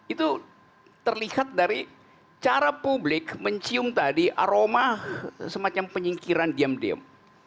itu terlihat dari cara publik mencium tadi aroma semacam penyingkiran diam diam